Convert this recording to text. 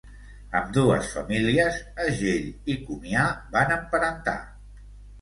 Ambdues famílies, Agell i Comià, van emparentar.